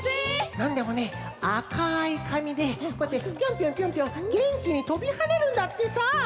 なんでもねあかいかみでこうやってピョンピョンピョンピョンげんきにとびはねるんだってさ。